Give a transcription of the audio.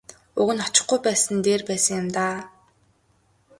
Уг нь очихгүй байсан нь дээр байсан юм даа.